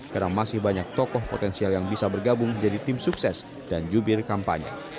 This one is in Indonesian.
karena masih banyak tokoh potensial yang bisa bergabung menjadi tim sukses dan jubir kampanye